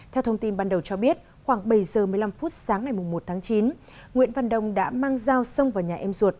theo thông tin ban đầu cho biết khoảng bảy h một mươi năm sáng một tháng chín nguyễn văn đông đã mang dao xông vào nhà em ruột